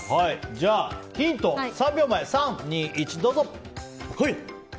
じゃあ、ヒント３、２、１どうぞ。